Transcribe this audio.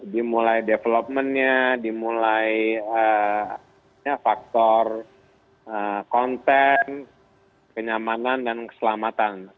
dimulai development nya dimulai faktor konten kenyamanan dan keselamatan